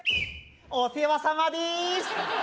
お世話さまです